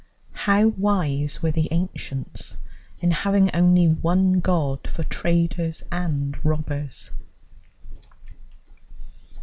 How wise were the ancients in having only one God for traders and robbers!